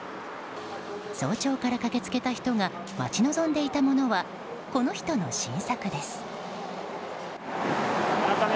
早朝から駆け付けた人が待ち望んていたのはこの人の新作です。